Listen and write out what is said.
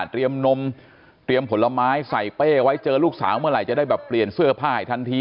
นมเตรียมผลไม้ใส่เป้ไว้เจอลูกสาวเมื่อไหร่จะได้แบบเปลี่ยนเสื้อผ้าให้ทันที